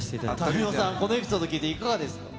民生さん、このエピソード聞いていかがですか。